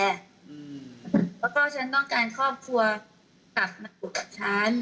แล้วก็ฉันต้องการครอบครัวกลับมาอยู่กับฉัน